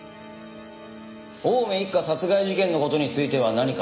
青梅一家殺害事件の事については何か？